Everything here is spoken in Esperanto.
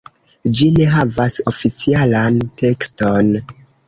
Ĝi ne havas oficialan tekston.